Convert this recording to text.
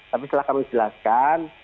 tapi setelah kami jelaskan